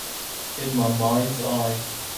In my mind's eye